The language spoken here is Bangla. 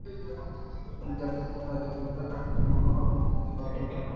পুলিশ জানিয়েছে, মুরাদের বিরুদ্ধে রাষ্ট্রদ্রোহ মামলা করার অনুমতি চেয়ে আবেদন করা হবে।